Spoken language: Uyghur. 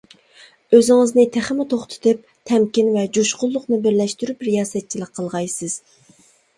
ئۆزىڭىزنى تېخىمۇ توختىتىپ، تەمكىن ۋە جۇشقۇنلۇقنى بىرلەشتۈرۈپ، رىياسەتچىلىك قىلغايسىز.